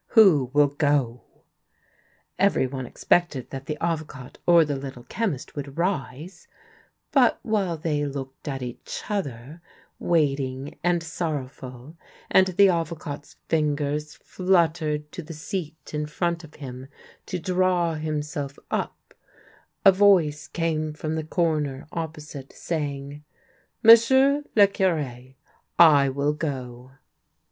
Who will go? " Every one expected that the Avocat or the Little Chemist would rise ; but while they looked at each other, waiting and sorrowful, and the Avocat's fingers fluttered to the seat in front of him, to draw himself up, a voice came from the corner opposite, saying :" M'sieu' le Cure, I will go."